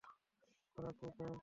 ওরা খুব ভয়ংকর।